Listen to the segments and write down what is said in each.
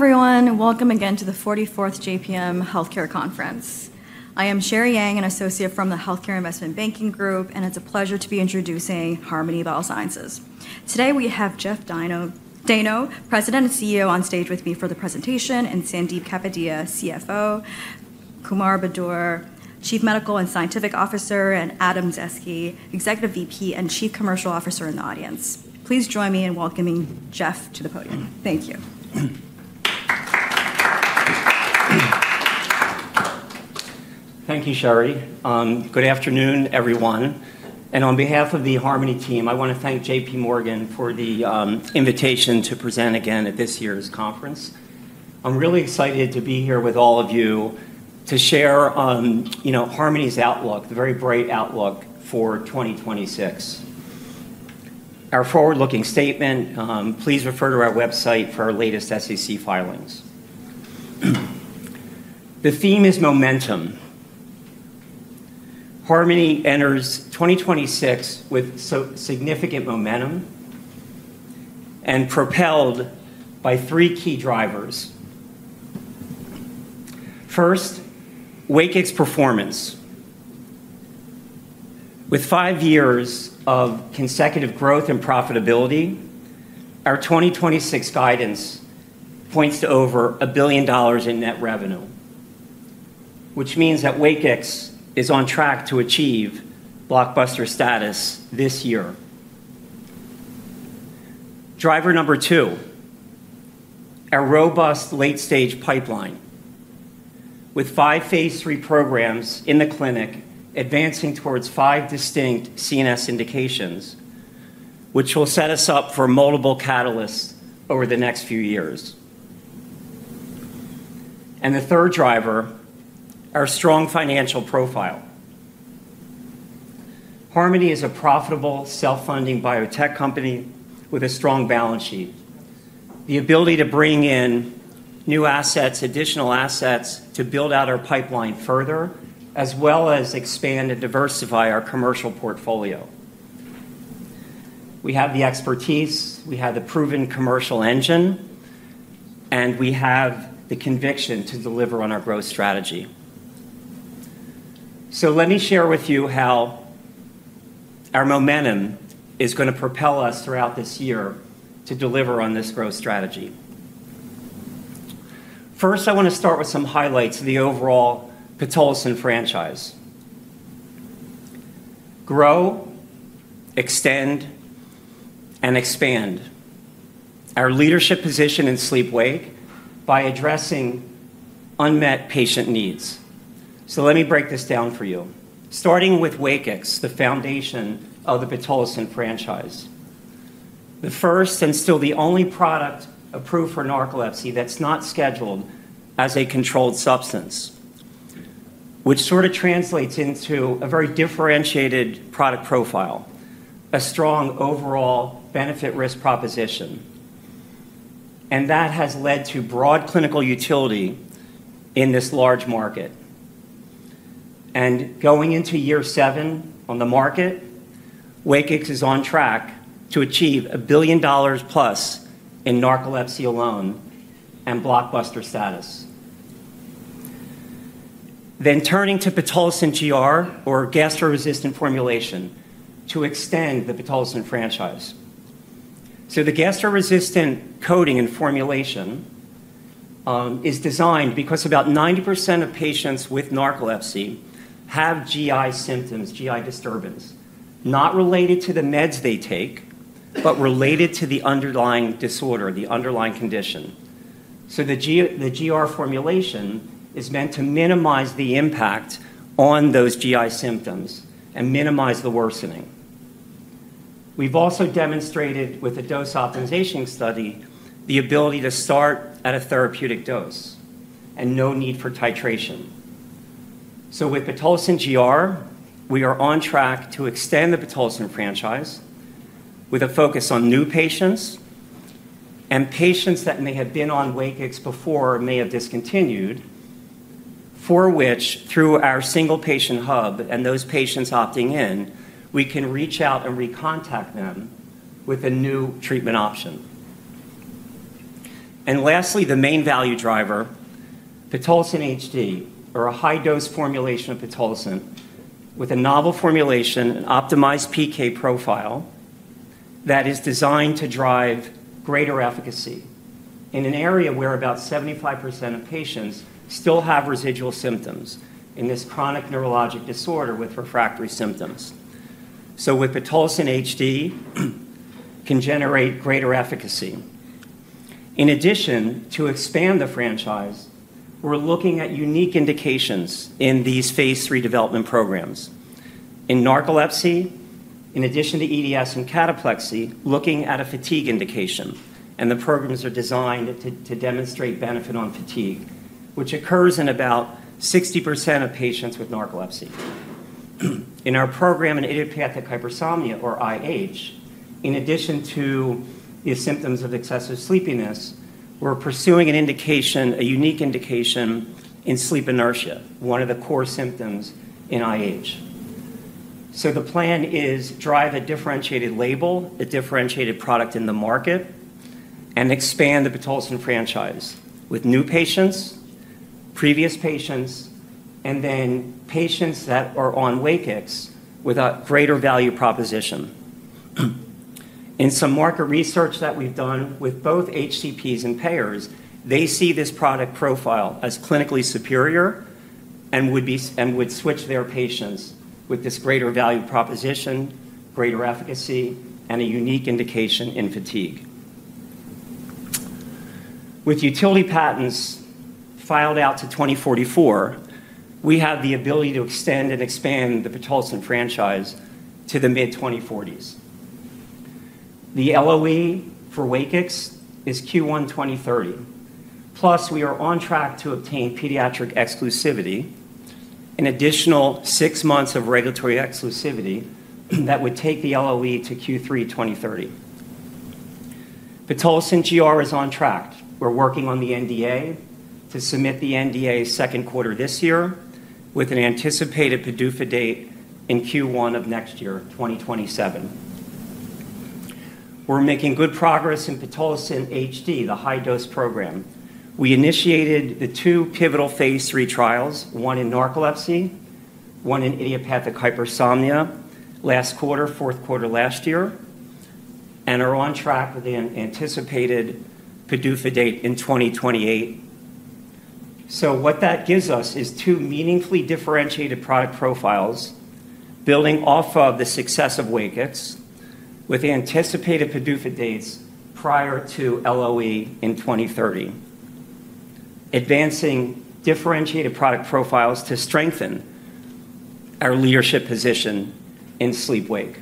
Hi everyone, welcome again to the 44th JPM Healthcare Conference. I am Sherry Yang, an associate from the Healthcare Investment Banking Group, and it's a pleasure to be introducing Harmony Biosciences. Today we have Jeff Dayno, President and CEO, on stage with me for the presentation, and Sandip Kapadia, CFO, Kumar Budur, Chief Medical and Scientific Officer, and Adam Zaeske, Executive VP and Chief Commercial Officer in the audience. Please join me in welcoming Jeff to the podium. Thank you. Thank you, Sherry. Good afternoon, everyone. On behalf of the Harmony team, I want to thank J.P. Morgan for the invitation to present again at this year's conference. I'm really excited to be here with all of you to share Harmony's outlook, the very bright outlook for 2026. Our forward-looking statement. Please refer to our website for our latest SEC filings. The theme is momentum. Harmony enters 2026 with significant momentum and propelled by three key drivers. First, WAKIX performance. With five years of consecutive growth and profitability, our 2026 guidance points to over $1 billion in net revenue, which means that WAKIX is on track to achieve blockbuster status this year. Driver number two, a robust late-stage pipeline with five phase III programs in the clinic advancing towards five distinct CNS indications, which will set us up for multiple catalysts over the next few years. And the third driver, our strong financial profile. Harmony is a profitable self-funding biotech company with a strong balance sheet, the ability to bring in new assets, additional assets to build out our pipeline further, as well as expand and diversify our commercial portfolio. We have the expertise, we have the proven commercial engine, and we have the conviction to deliver on our growth strategy. So let me share with you how our momentum is going to propel us throughout this year to deliver on this growth strategy. First, I want to start with some highlights of the overall pitolisant franchise. Grow, extend, and expand our leadership position in sleep-wake by addressing unmet patient needs. So let me break this down for you. Starting with WAKIX, the foundation of the pitolisant franchise, the first and still the only product approved for narcolepsy that's not scheduled as a controlled substance, which sort of translates into a very differentiated product profile, a strong overall benefit-risk proposition. And that has led to broad clinical utility in this large market. And going into year seven on the market, WAKIX is on track to achieve $1 billion plus in narcolepsy alone and blockbuster status. Then turning to pitolisant GR, or gastro-resistant formulation, to extend the pitolisant franchise. So the gastro-resistant coating and formulation is designed because about 90% of patients with narcolepsy have GI symptoms, GI disturbance, not related to the meds they take, but related to the underlying disorder, the underlying condition. So the GR formulation is meant to minimize the impact on those GI symptoms and minimize the worsening. We've also demonstrated with a dose optimization study the ability to start at a therapeutic dose and no need for titration. With pitolisant GR, we are on track to extend the pitolisant franchise with a focus on new patients and patients that may have been on WAKIX before or may have discontinued, for which, through our single patient hub and those patients opting in, we can reach out and recontact them with a new treatment option. Lastly, the main value driver, pitolisant HD, or a high-dose formulation of pitolisant with a novel formulation, an optimized PK profile that is designed to drive greater efficacy in an area where about 75% of patients still have residual symptoms in this chronic neurologic disorder with refractory symptoms. With pitolisant HD, we can generate greater efficacy. In addition to expand the franchise, we're looking at unique indications in these phase III development programs. In narcolepsy, in addition to EDS and cataplexy, we're looking at a fatigue indication, and the programs are designed to demonstrate benefit on fatigue, which occurs in about 60% of patients with narcolepsy. In our program in idiopathic hypersomnia, or IH, in addition to the symptoms of excessive sleepiness, we're pursuing a unique indication in sleep inertia, one of the core symptoms in IH. So the plan is to drive a differentiated label, a differentiated product in the market, and expand the pitolisant franchise with new patients, previous patients, and then patients that are on WAKIX without greater value proposition. In some market research that we've done with both HCPs and payers, they see this product profile as clinically superior and would switch their patients with this greater value proposition, greater efficacy, and a unique indication in fatigue. With utility patents filed out to 2044, we have the ability to extend and expand the pitolisant franchise to the mid-2040s. The LOE for WAKIX is Q1 2030. Plus, we are on track to obtain pediatric exclusivity, an additional six months of regulatory exclusivity that would take the LOE to Q3 2030. pitolisant GR is on track. We're working on the NDA to submit the NDA second quarter this year with an anticipated PDUFA date in Q1 of next year, 2027. We're making good progress in pitolisant HD, the high-dose program. We initiated the two pivotal phase III trials, one in narcolepsy, one in idiopathic hypersomnia, last quarter, fourth quarter last year, and are on track with an anticipated PDUFA date in 2028, so what that gives us is two meaningfully differentiated product profiles building off of the success of WAKIX with anticipated PDUFA dates prior to LOE in 2030, advancing differentiated product profiles to strengthen our leadership position in sleep-wake.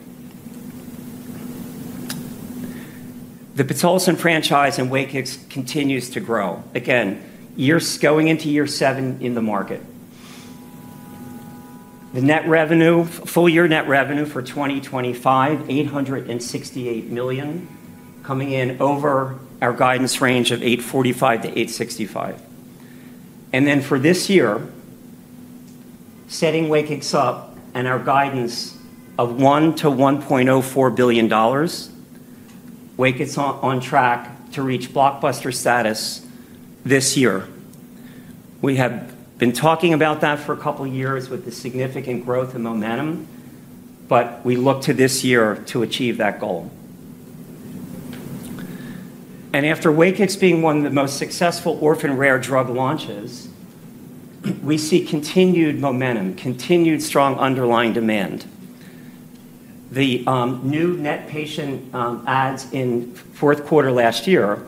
The pitolisant franchise in WAKIX continues to grow. Again, going into year seven in the market, the full year net revenue for 2025, $868 million, coming in over our guidance range of $845-$865. And then for this year, setting WAKIX up and our guidance of $1-$1.04 billion, WAKIX is on track to reach blockbuster status this year. We have been talking about that for a couple of years with the significant growth and momentum, but we look to this year to achieve that goal. After WAKIX being one of the most successful orphan rare drug launches, we see continued momentum, continued strong underlying demand. The new net patient adds in fourth quarter last year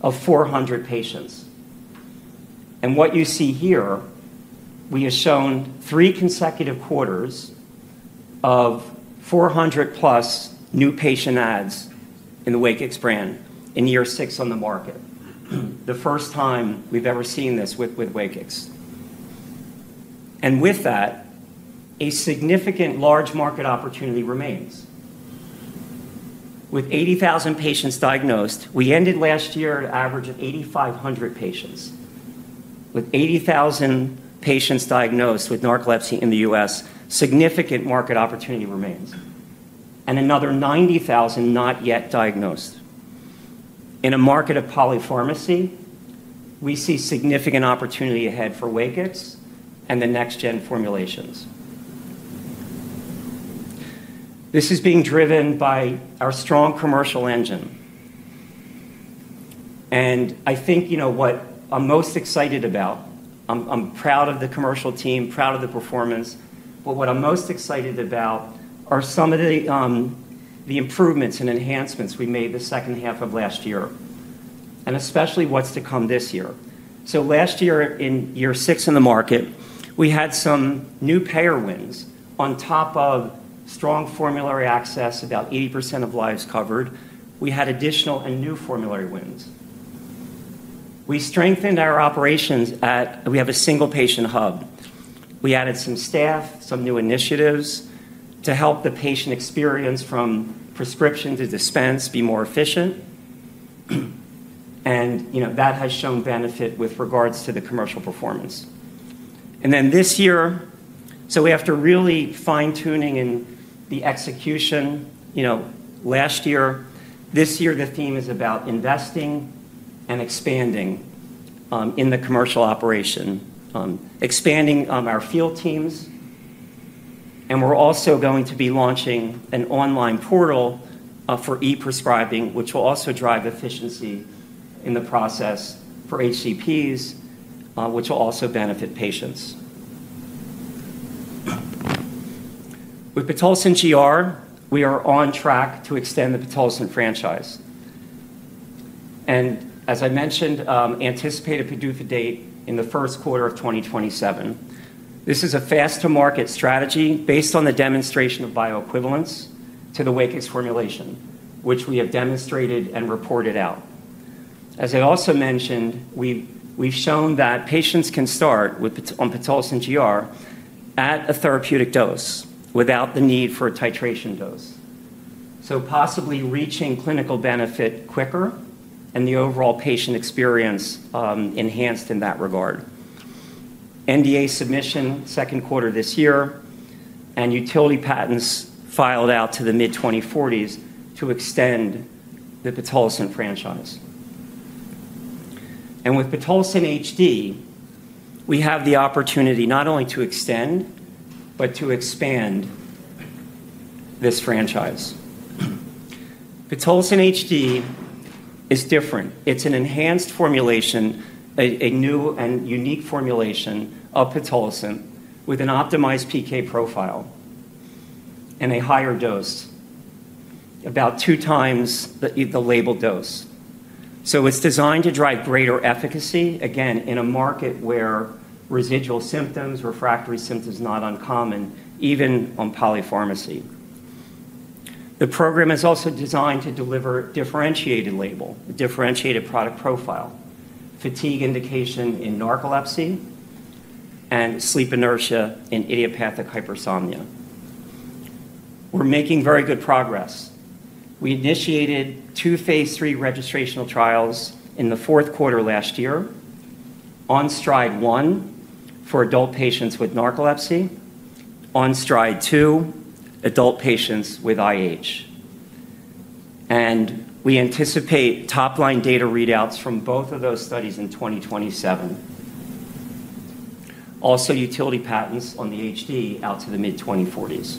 of 400 patients. What you see here, we have shown three consecutive quarters of 400+ new patient adds in the WAKIX brand in year six on the market, the first time we've ever seen this with WAKIX. With that, a significant large market opportunity remains. With 80,000 patients diagnosed, we ended last year at an average of 8,500 patients. With 80,000 patients diagnosed with narcolepsy in the US, significant market opportunity remains, and another 90,000 not yet diagnosed. In a market of polypharmacy, we see significant opportunity ahead for WAKIX and the next-gen formulations. This is being driven by our strong commercial engine. I think what I'm most excited about, I'm proud of the commercial team, proud of the performance, but what I'm most excited about are some of the improvements and enhancements we made the second half of last year, and especially what's to come this year. Last year, in year six in the market, we had some new payer wins on top of strong formulary access, about 80% of lives covered. We had additional and new formulary wins. We strengthened our operations and we have a single patient hub. We added some staff, some new initiatives to help the patient experience from prescription to dispense be more efficient. That has shown benefit with regards to the commercial performance. And then this year, so we have to really fine-tune in the execution last year. This year, the theme is about investing and expanding in the commercial operation, expanding our field teams. And we're also going to be launching an online portal for e-prescribing, which will also drive efficiency in the process for HCPs, which will also benefit patients. With pitolisant GR, we are on track to extend the pitolisant franchise. And as I mentioned, anticipated PDUFA date in the first quarter of 2027. This is a fast-to-market strategy based on the demonstration of bioequivalence to the WAKIX formulation, which we have demonstrated and reported out. As I also mentioned, we've shown that patients can start on pitolisant GR at a therapeutic dose without the need for a titration dose, so possibly reaching clinical benefit quicker and the overall patient experience enhanced in that regard. NDA submission in the second quarter this year, and utility patents filed out to the mid-2040s to extend the pitolisant franchise. With pitolisant HD, we have the opportunity not only to extend, but to expand this franchise. pitolisant HD is different. It is an enhanced formulation, a new and unique formulation of pitolisant with an optimized PK profile and a higher dose, about two times the label dose. It is designed to drive greater efficacy, again, in a market where residual symptoms, refractory symptoms are not uncommon, even on polypharmacy. The program is also designed to deliver differentiated label, differentiated product profile, fatigue indication in narcolepsy and sleep inertia in idiopathic hypersomnia. We are making very good progress. We initiated two phase III registrational trials in the fourth quarter last year, OnSTRIDE 1 for adult patients with narcolepsy, OnSTRIDE 2 for adult patients with IH. We anticipate top-line data readouts from both of those studies in 2027. Also, utility patents on the HD out to the mid-2040s.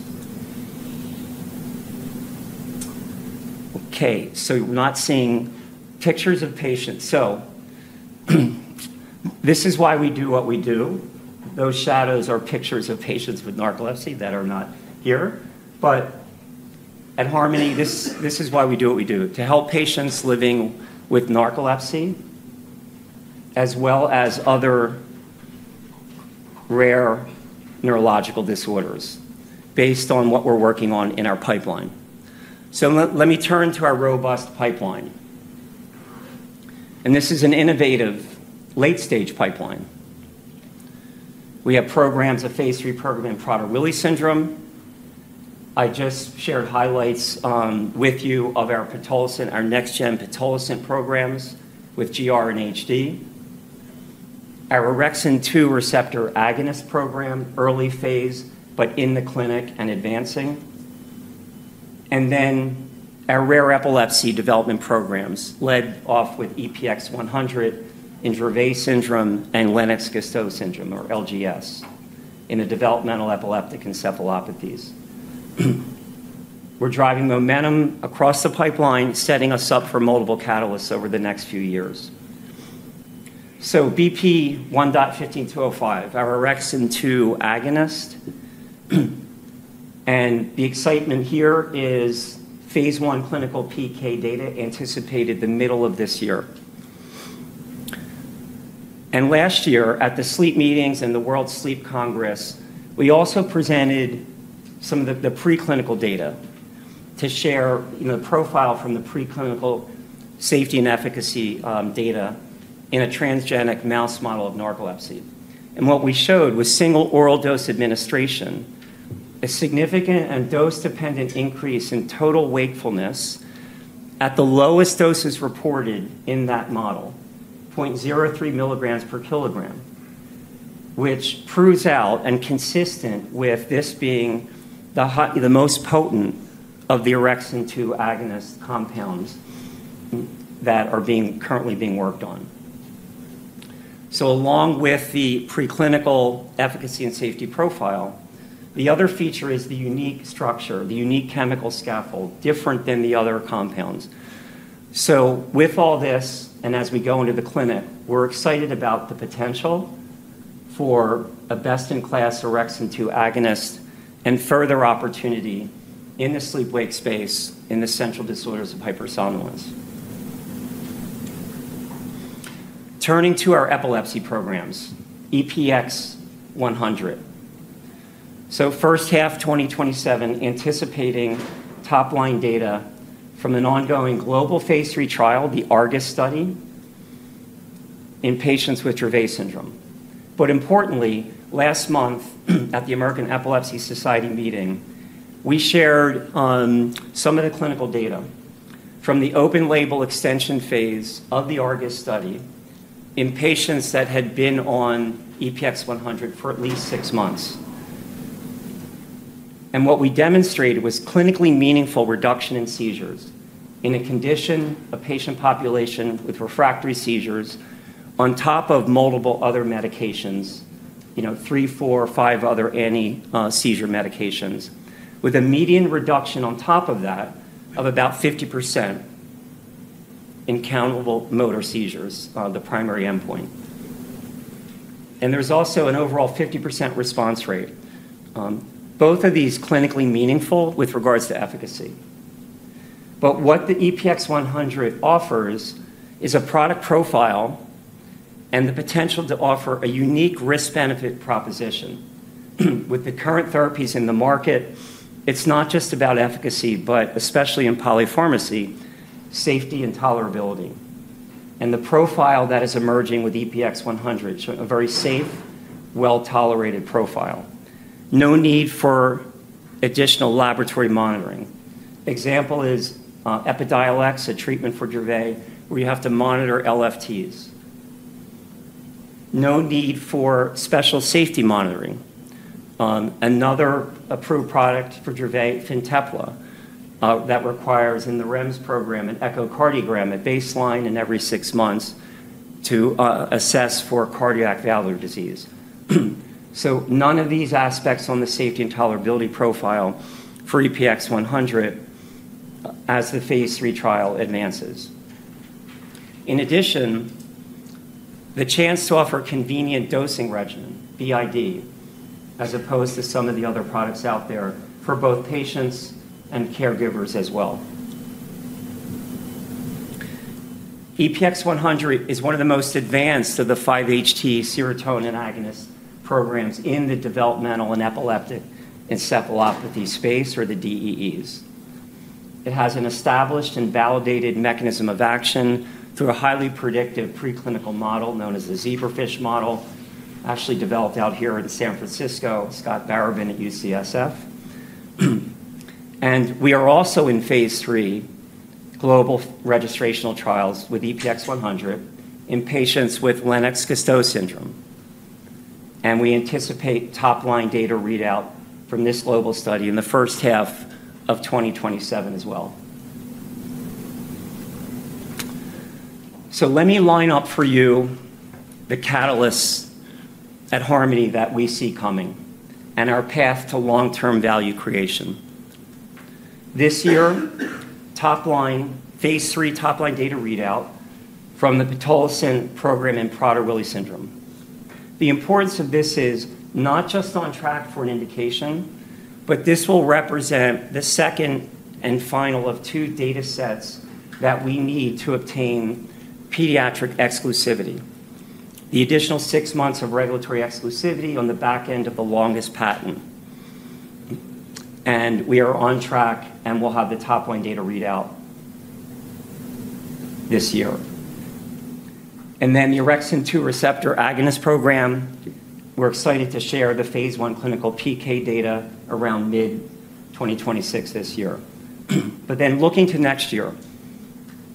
Okay, so we're not seeing pictures of patients. So this is why we do what we do. Those shadows are pictures of patients with narcolepsy that are not here. But at Harmony, this is why we do what we do, to help patients living with narcolepsy as well as other rare neurological disorders based on what we're working on in our pipeline. So let me turn to our robust pipeline. And this is an innovative late-stage pipeline. We have programs, a phase III program in Prader-Willi syndrome. I just shared highlights with you of our next-gen pitolisant programs with GR and HD, Orexin-2 receptor agonist program, early phase, but in the clinic and advancing. And then our rare epilepsy development programs led off with EPX-100 in Dravet syndrome and Lennox-Gastaut syndrome, or LGS, in the developmental epileptic encephalopathies. We're driving momentum across the pipeline, setting us up for multiple catalysts over the next few years. So BP1.15205, Orexin-2 agonist. And the excitement here is phase I clinical PK data anticipated the middle of this year. And last year, at the sleep meetings and the World Sleep Congress, we also presented some of the preclinical data to share the profile from the preclinical safety and efficacy data in a transgenic mouse model of narcolepsy. What we showed was single oral dose administration, a significant and dose-dependent increase in total wakefulness at the lowest doses reported in that model, 0.03 milligrams per kilogram, which proves out and consistent with this being the most potent of Orexin-2 agonist compounds that are currently being worked on. So along with the preclinical efficacy and safety profile, the other feature is the unique structure, the unique chemical scaffold, different than the other compounds. So with all this, and as we go into the clinic, we're excited about the potential for a Orexin-2 agonist and further opportunity in the sleep-wake space in the central disorders of hypersomnolence. Turning to our epilepsy programs, EPX-100. So first half 2027, anticipating top-line data from an ongoing global phase III trial, the ARGUS study in patients with Dravet syndrome. But importantly, last month at the American Epilepsy Society meeting, we shared some of the clinical data from the open label extension phase of the ARGUS study in patients that had been on EPX-100 for at least six months, and what we demonstrated was clinically meaningful reduction in seizures in a condition, a patient population with refractory seizures on top of multiple other medications, three, four, five other anti-seizure medications, with a median reduction on top of that of about 50% in countable motor seizures, the primary endpoint, and there's also an overall 50% response rate. Both of these clinically meaningful with regards to efficacy, but what the EPX-100 offers is a product profile and the potential to offer a unique risk-benefit proposition. With the current therapies in the market, it's not just about efficacy, but especially in polypharmacy, safety and tolerability. The profile that is emerging with EPX-100 is a very safe, well-tolerated profile. No need for additional laboratory monitoring. Example is Epidiolex, a treatment for Dravet, where you have to monitor LFTs. No need for special safety monitoring. Another approved product for Dravet, Fintepla, that requires in the REMS program an echocardiogram at baseline every six months to assess for cardiac valve disease. None of these aspects on the safety and tolerability profile for EPX-100 as the phase III trial advances. In addition, the chance to offer convenient dosing regimen, BID, as opposed to some of the other products out there for both patients and caregivers as well. EPX-100 is one of the most advanced of the 5-HT serotonin agonist programs in the developmental and epileptic encephalopathy space, or the DEEs. It has an established and validated mechanism of action through a highly predictive preclinical model known as the zebrafish model, actually developed out here in San Francisco, Scott Baraban at UCSF. And we are also in phase III global registrational trials with EPX-100 in patients with Lennox-Gastaut syndrome. And we anticipate top-line data readout from this global study in the first half of 2027 as well. So let me line up for you the catalysts at Harmony that we see coming and our path to long-term value creation. This year, top-line phase III top-line data readout from the pitolisant program in Prader-Willi syndrome. The importance of this is not just on track for an indication, but this will represent the second and final of two data sets that we need to obtain pediatric exclusivity, the additional six months of regulatory exclusivity on the back end of the longest patent. We are on track and we'll have the top-line data readout this year. Then Orexin-2 receptor agonist program, we're excited to share the phase I clinical PK data around mid-2026 this year. But then looking to next year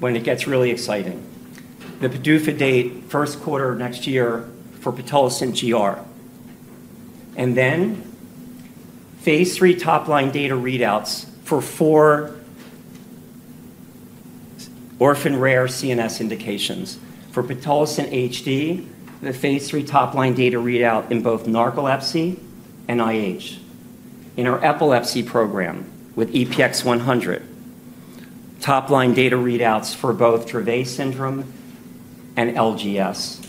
when it gets really exciting, the PDUFA date first quarter of next year for pitolisant GR. Then phase III top-line data readouts for four orphan rare CNS indications. For pitolisant HD, the phase III top-line data readout in both narcolepsy and IH in our epilepsy program with EPX-100, top-line data readouts for both Dravet syndrome and LGS.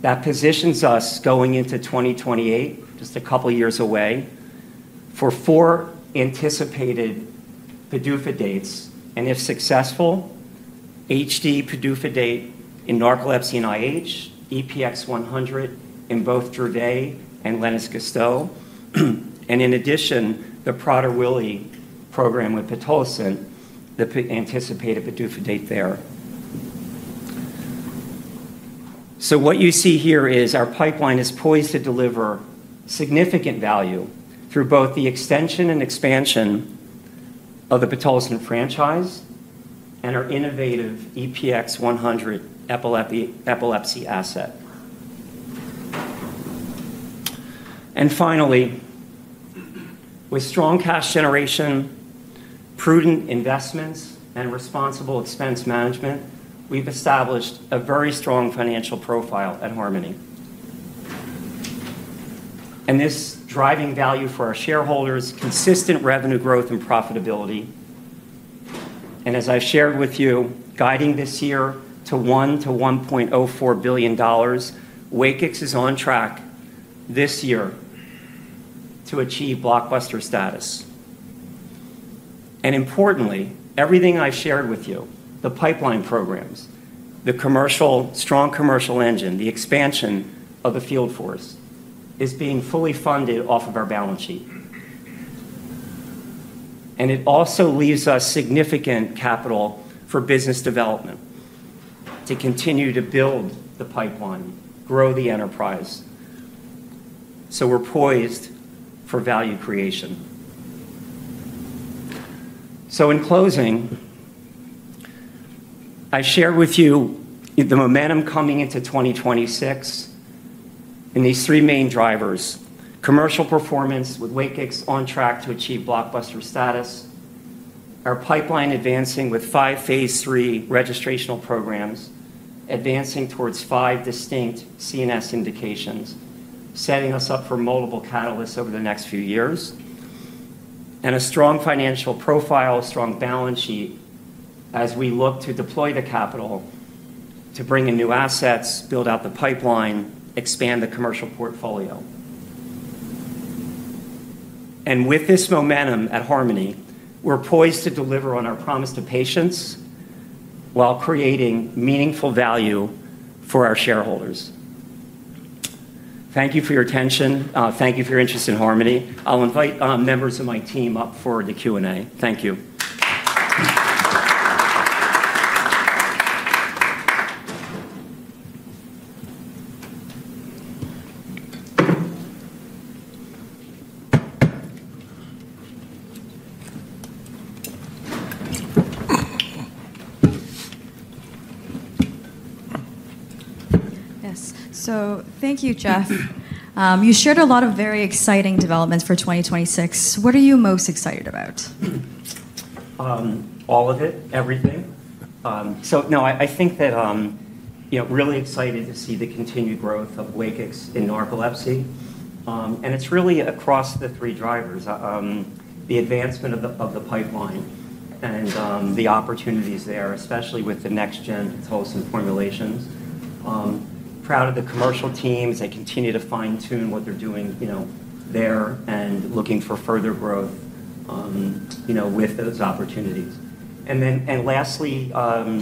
That positions us going into 2028, just a couple of years away, for four anticipated PDUFA dates. And if successful, HD PDUFA date in narcolepsy and IH, EPX-100 in both Dravet and Lennox-Gastaut. And in addition, the Prader-Willi program with pitolisant, the anticipated PDUFA date there. What you see here is our pipeline is poised to deliver significant value through both the extension and expansion of the pitolisant franchise and our innovative EPX-100 epilepsy asset. And finally, with strong cash generation, prudent investments, and responsible expense management, we've established a very strong financial profile at Harmony. And this driving value for our shareholders, consistent revenue growth and profitability. And as I've shared with you, guiding this year to $1-$1.04 billion, WAKIX is on track this year to achieve blockbuster status. And importantly, everything I shared with you, the pipeline programs, the strong commercial engine, the expansion of the field force is being fully funded off of our balance sheet. And it also leaves us significant capital for business development to continue to build the pipeline, grow the enterprise. So we're poised for value creation. So in closing, I shared with you the momentum coming into 2026 and these three main drivers: commercial performance with WAKIX on track to achieve blockbuster status, our pipeline advancing with five phase III registrational programs, advancing towards five distinct CNS indications, setting us up for multiple catalysts over the next few years, and a strong financial profile, strong balance sheet as we look to deploy the capital to bring in new assets, build out the pipeline, expand the commercial portfolio. And with this momentum at Harmony, we're poised to deliver on our promise to patients while creating meaningful value for our shareholders. Thank you for your attention. Thank you for your interest in Harmony. I'll invite members of my team up for the Q&A. Thank you. Yes. So thank you, Jeff. You shared a lot of very exciting developments for 2026. What are you most excited about? All of it, everything. So, no, I think that really excited to see the continued growth of WAKIX in narcolepsy. And it's really across the three drivers, the advancement of the pipeline and the opportunities there, especially with the next-gen pitolisant formulations. Proud of the commercial teams that continue to fine-tune what they're doing there and looking for further growth with those opportunities. And lastly, our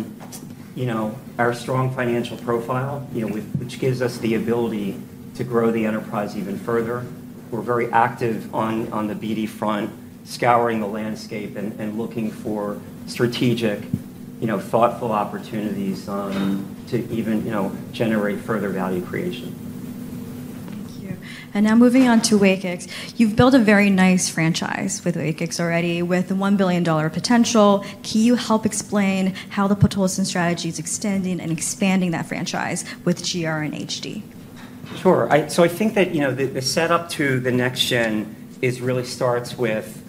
strong financial profile, which gives us the ability to grow the enterprise even further. We're very active on the BD front, scouring the landscape and looking for strategic, thoughtful opportunities to even generate further value creation. Thank you. And now moving on to WAKIX. You've built a very nice franchise with WAKIX already with a $1 billion potential. Can you help explain how the pitolisant strategy is extending and expanding that franchise with GR and HD? Sure. So I think that the setup to the next gen really starts with,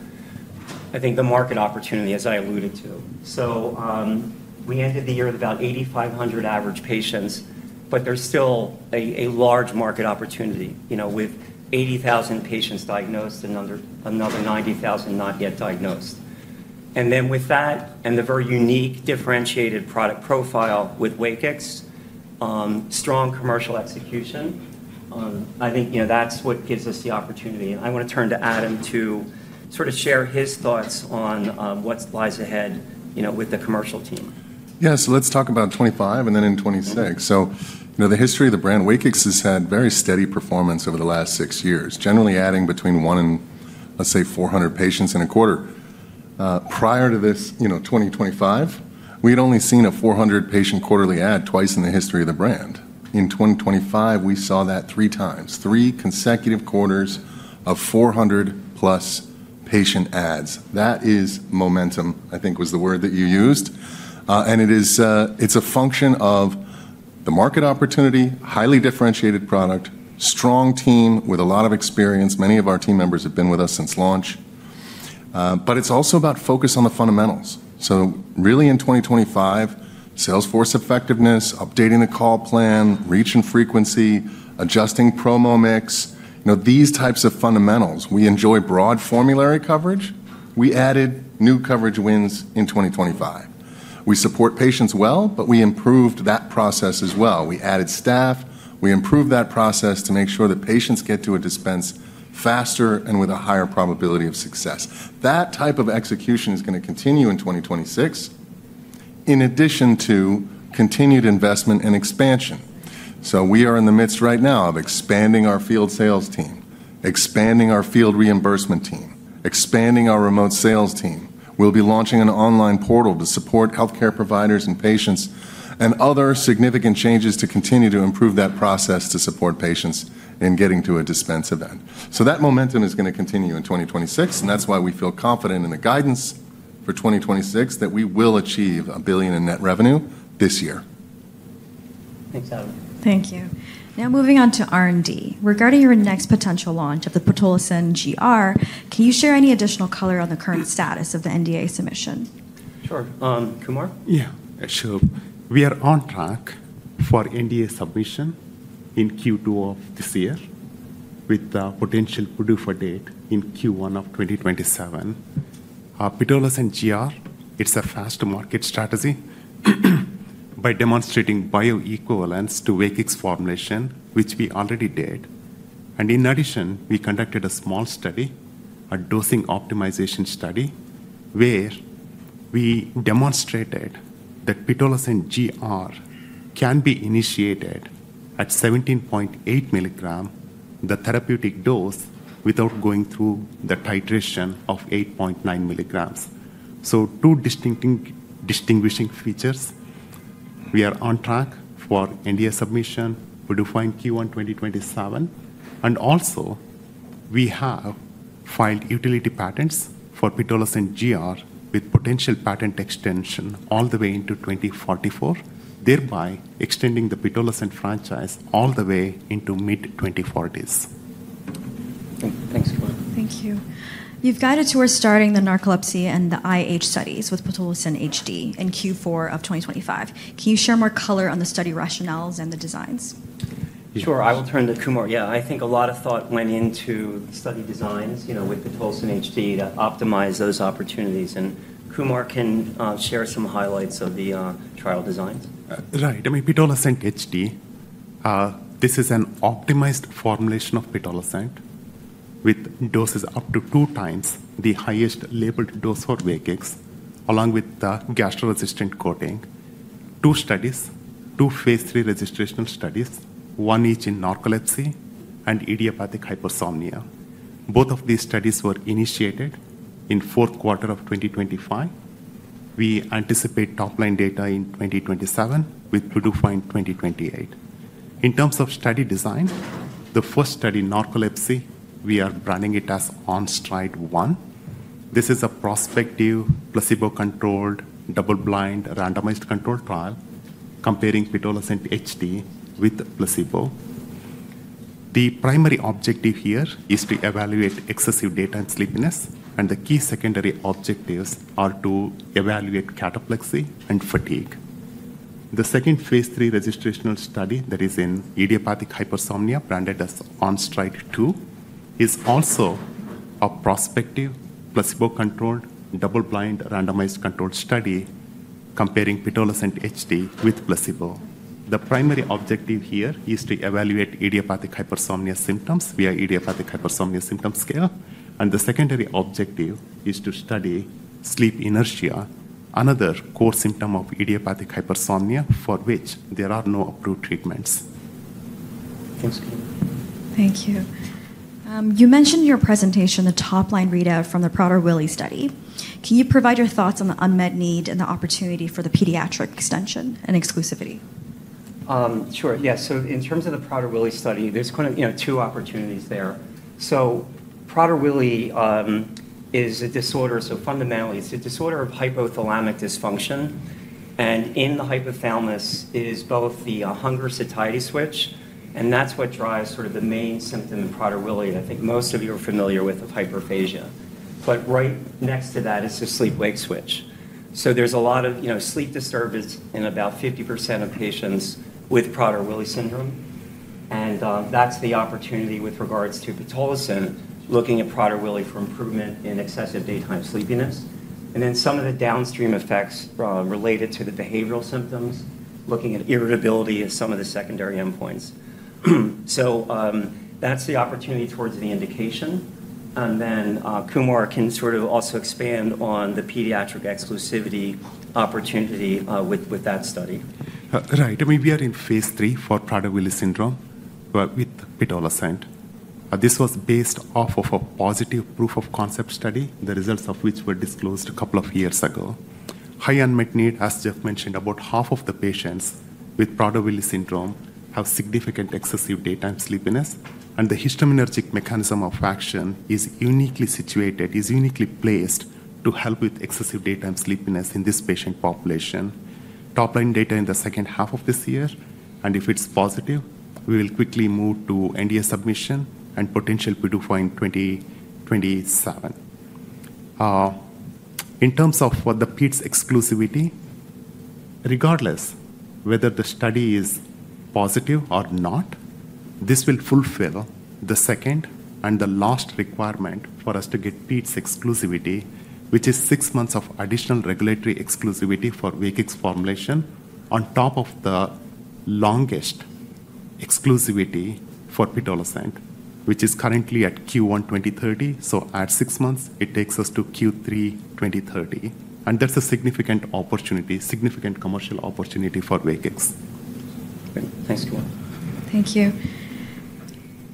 I think, the market opportunity, as I alluded to. So we ended the year with about 8,500 average patients, but there's still a large market opportunity with 80,000 patients diagnosed and another 90,000 not yet diagnosed. And then with that and the very unique differentiated product profile with WAKIX, strong commercial execution, I think that's what gives us the opportunity. And I want to turn to Adam to sort of share his thoughts on what lies ahead with the commercial team. Yeah. So let's talk about 2025 and then in 2026. So the history of the brand, WAKIX has had very steady performance over the last six years, generally adding between one and, let's say, 400 patients in a quarter. Prior to this 2025, we had only seen a 400-patient quarterly add twice in the history of the brand. In 2025, we saw that three times, three consecutive quarters of 400+ patient adds. That is momentum, I think was the word that you used. And it's a function of the market opportunity, highly differentiated product, strong team with a lot of experience. Many of our team members have been with us since launch. But it's also about focus on the fundamentals. So really in 2025, sales force effectiveness, updating the call plan, reach and frequency, adjusting promo mix, these types of fundamentals. We enjoy broad formulary coverage. We added new coverage wins in 2025. We support patients well, but we improved that process as well. We added staff. We improved that process to make sure that patients get to a dispense faster and with a higher probability of success. That type of execution is going to continue in 2026, in addition to continued investment and expansion. So we are in the midst right now of expanding our field sales team, expanding our field reimbursement team, expanding our remote sales team. We'll be launching an online portal to support healthcare providers and patients and other significant changes to continue to improve that process to support patients in getting to a dispense event. So that momentum is going to continue in 2026. And that's why we feel confident in the guidance for 2026 that we will achieve $1 billion in net revenue this year. Thanks, Adam. Thank you. Now moving on to R&D. Regarding your next potential launch of the pitolisant GR, can you share any additional color on the current status of the NDA submission? Sure. Kumar? Yeah. So we are on track for NDA submission in Q2 of this year with the potential PDUFA date in Q1 of 2027. pitolisant GR, it's a fast market strategy by demonstrating bioequivalence to WAKIX formulation, which we already did. And in addition, we conducted a small study, a dosing optimization study, where we demonstrated that pitolisant GR can be initiated at 17.8 milligrams, the therapeutic dose, without going through the titration of 8.9 milligrams. So two distinguishing features. We are on track for NDA submission, PDUFA in Q1 2027. And also, we have filed utility patents for pitolisant GR with potential patent extension all the way into 2044, thereby extending the pitolisant franchise all the way into mid-2040s. Thanks, Kumar. Thank you. You've guided towards starting the narcolepsy and the IH studies with pitolisant HD in Q4 of 2025. Can you share more color on the study rationales and the designs? Sure. I will turn to Kumar. Yeah. I think a lot of thought went into the study designs with pitolisant HD to optimize those opportunities. And Kumar can share some highlights of the trial designs. Right. I mean, pitolisant HD, this is an optimized formulation of pitolisant with doses up to two times the highest labeled dose for WAKIX, along with the gastro-resistant coating. Two studies, two phase III registrational studies, one each in narcolepsy and idiopathic hypersomnia. Both of these studies were initiated in fourth quarter of 2025. We anticipate top-line data in 2027 with PDUFA in 2028. In terms of study design, the first study, narcolepsy, we are branding it as OnSTRIDE 1. This is a prospective placebo-controlled, double-blind, randomized controlled trial comparing pitolisant HD with placebo. The primary objective here is to evaluate excessive daytime sleepiness, and the key secondary objectives are to evaluate cataplexy and fatigue. The second phase III registrational study that is in idiopathic hypersomnia, branded as OnSTRIDE 2, is also a prospective placebo-controlled, double-blind, randomized controlled study comparing pitolisant HD with placebo. The primary objective here is to evaluate idiopathic hypersomnia symptoms via idiopathic hypersomnia symptom scale, and the secondary objective is to study sleep inertia, another core symptom of idiopathic hypersomnia for which there are no approved treatments. Thanks, Kumar. Thank you. You mentioned in your presentation the top-line readout from the Prader-Willi study. Can you provide your thoughts on the unmet need and the opportunity for the pediatric extension and exclusivity? Sure. Yeah. So in terms of the Prader-Willi study, there's kind of two opportunities there. So Prader-Willi is a disorder. So fundamentally, it's a disorder of hypothalamic dysfunction. And in the hypothalamus is both the hunger-satiety switch. And that's what drives sort of the main symptom in Prader-Willi that I think most of you are familiar with of hyperphagia. But right next to that is the sleep-wake switch. So there's a lot of sleep disturbance in about 50% of patients with Prader-Willi syndrome. And that's the opportunity with regards to pitolisant, looking at Prader-Willi for improvement in excessive daytime sleepiness. And then some of the downstream effects related to the behavioral symptoms, looking at irritability as some of the secondary endpoints. So that's the opportunity towards the indication. And then Kumar can sort of also expand on the pediatric exclusivity opportunity with that study. Right. I mean, we are in phase III for Prader-Willi syndrome with pitolisant. This was based off of a positive proof of concept study, the results of which were disclosed a couple of years ago. High unmet need, as Jeff mentioned, about half of the patients with Prader-Willi syndrome have significant excessive daytime sleepiness, and the histaminergic mechanism of action is uniquely situated, is uniquely placed to help with excessive daytime sleepiness in this patient population. Top-line data in the second half of this year, and if it's positive, we will quickly move to NDA submission and potential PDUFA in 2027. In terms of what the pediatric exclusivity, regardless whether the study is positive or not, this will fulfill the second and the last requirement for us to get pediatric exclusivity, which is six months of additional regulatory exclusivity for WAKIX formulation on top of the longest exclusivity for pitolisant, which is currently at Q1 2030. So at six months, it takes us to Q3 2030. And that's a significant opportunity, significant commercial opportunity for WAKIX. Thanks, Kumar. Thank you.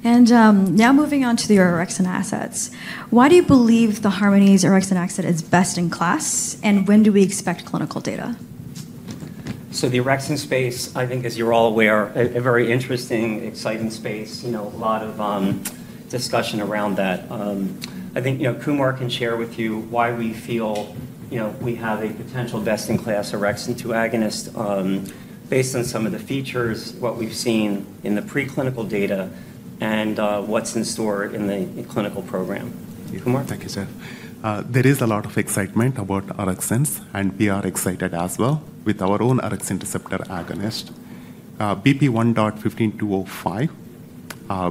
And now moving on to the orexin assets. Why do you believe the Harmony's orexin asset is best in class? And when do we expect clinical data? The orexin space, I think, as you're all aware, a very interesting, exciting space. A lot of discussion around that. I think Kumar can share with you why we feel we have a potential best-in-class orexin-2 agonist based on some of the features, what we've seen in the preclinical data, and what's in store in the clinical program. Kumar? Thank you, sir. There is a lot of excitement about Orexins. And we are excited as well with our own Orexin receptor agonist. BP1.15205,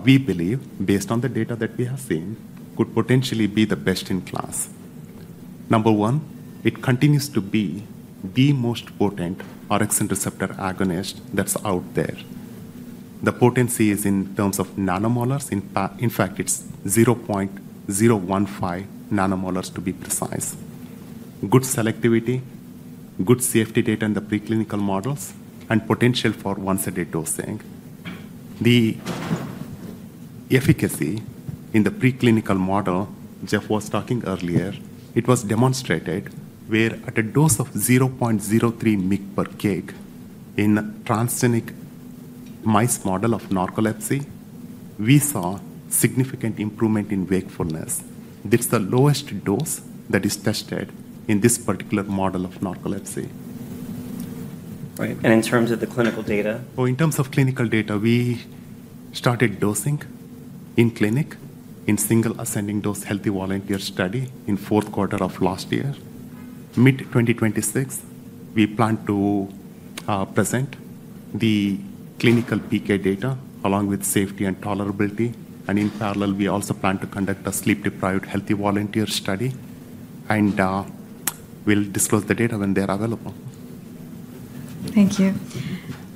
we believe, based on the data that we have seen, could potentially be the best in class. Number one, it continues to be the most potent Orexin receptor agonist that's out there. The potency is in terms of nanomolar. In fact, it's 0.015 nanomolar to be precise. Good selectivity, good safety data in the preclinical models, and potential for once-a-day dosing. The efficacy in the preclinical model Jeff was talking earlier, it was demonstrated where at a dose of 0.03 microgram per kg in a transgenic mouse model of narcolepsy, we saw significant improvement in wakefulness. It's the lowest dose that is tested in this particular model of narcolepsy. Right. And in terms of the clinical data? So, in terms of clinical data, we started dosing in clinic in single ascending dose healthy volunteer study in fourth quarter of last year. Mid-2026, we plan to present the clinical PK data along with safety and tolerability. And in parallel, we also plan to conduct a sleep-deprived healthy volunteer study. And we'll disclose the data when they are available. Thank you.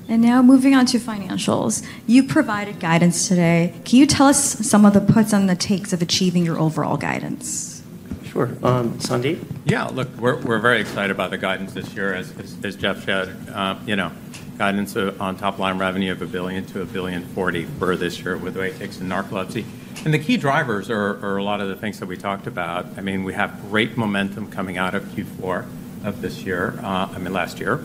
And now moving on to financials. You provided guidance today. Can you tell us some of the puts and the takes of achieving your overall guidance? Sure. Sandip? Yeah. Look, we're very excited about the guidance this year, as Jeff showed. Guidance on top-line revenue of $1 billion-$1.04 billion for this year with WAKIX and narcolepsy, and the key drivers are a lot of the things that we talked about. I mean, we have great momentum coming out of Q4 of this year, I mean, last year.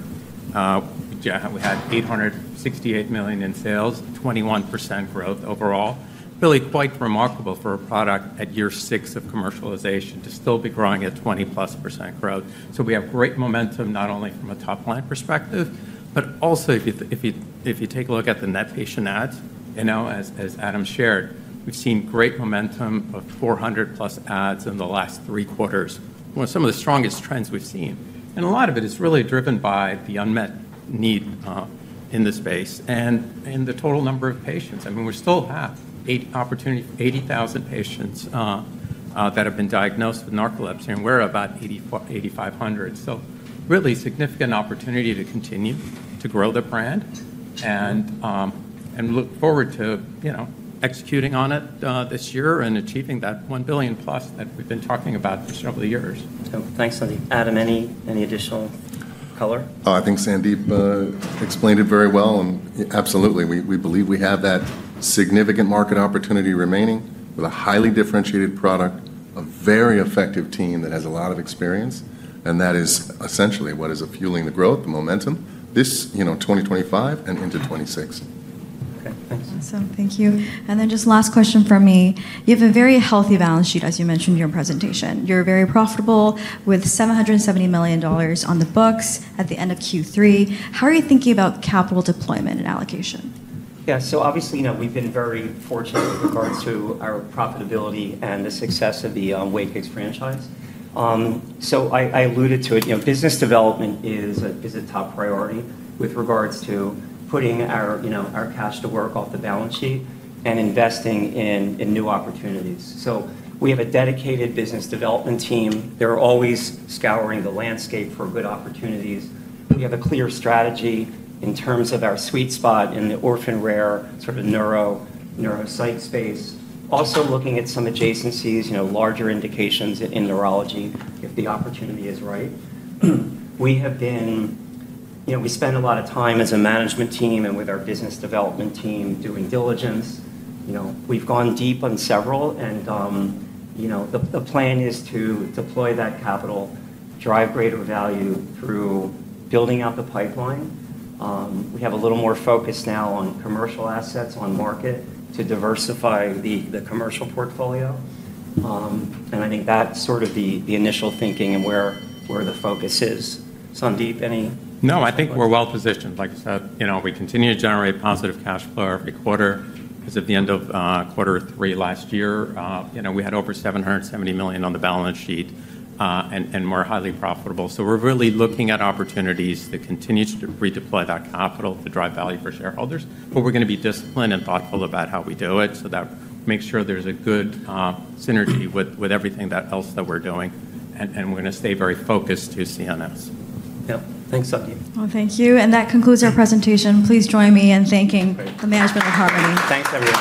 We had $868 million in sales, 21% growth overall. Really quite remarkable for a product at year six of commercialization to still be growing at 20%+ growth, so we have great momentum not only from a top-line perspective, but also if you take a look at the net patient adds, as Adam shared, we've seen great momentum of 400+ adds in the last three quarters, some of the strongest trends we've seen. A lot of it is really driven by the unmet need in the space and in the total number of patients. I mean, we still have 80,000 patients that have been diagnosed with narcolepsy, and we're about 8,500. So really significant opportunity to continue to grow the brand and look forward to executing on it this year and achieving that $1 billion-plus that we've been talking about for several years. Thanks, Sandip. Adam, any additional color? I think Sandip explained it very well. Absolutely, we believe we have that significant market opportunity remaining with a highly differentiated product, a very effective team that has a lot of experience. That is essentially what is fueling the growth, the momentum, this 2025 and into 2026. Okay. Thanks. Awesome. Thank you. And then just last question from me. You have a very healthy balance sheet, as you mentioned in your presentation. You're very profitable with $770 million on the books at the end of Q3. How are you thinking about capital deployment and allocation? Yeah, so obviously, we've been very fortunate with regards to our profitability and the success of the WAKIX franchise, so I alluded to it. Business development is a top priority with regards to putting our cash to work off the balance sheet and investing in new opportunities, so we have a dedicated business development team. They're always scouring the landscape for good opportunities. We have a clear strategy in terms of our sweet spot in the orphan-rare sort of neuro-psych space, also looking at some adjacencies, larger indications in neurology if the opportunity is right. We spend a lot of time as a management team and with our business development team doing diligence. We've gone deep on several, and the plan is to deploy that capital, drive greater value through building out the pipeline. We have a little more focus now on commercial assets on market to diversify the commercial portfolio, and I think that's sort of the initial thinking and where the focus is. Sandip, any? No, I think we're well positioned. Like I said, we continue to generate positive cash flow every quarter. As of the end of quarter three last year, we had over $770 million on the balance sheet, and we're highly profitable, so we're really looking at opportunities to continue to redeploy that capital to drive value for shareholders, but we're going to be disciplined and thoughtful about how we do it so that we make sure there's a good synergy with everything else that we're doing, and we're going to stay very focused to CNS. Yep. Thanks, Sandip. Thank you. That concludes our presentation. Please join me in thanking the management of Harmony. Thanks.